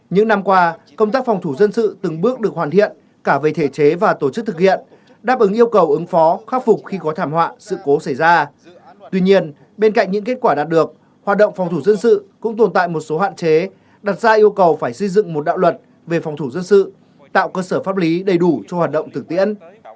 những năm qua công tác phòng thủ dân sự từng bước được hoàn thiện cả về thể chế và tổ chức thực hiện đáp ứng yêu cầu ứng phó khắc phục khi có thảm họa sự cố xảy ra tuy nhiên bên cạnh những kết quả đạt được hoạt động phòng thủ dân sự cũng tồn tại một số hạn chế đặt ra yêu cầu phải xây dựng một đạo luật về phòng thủ dân sự tạo cơ sở pháp lý đầy đủ cho hoạt động thực tiễn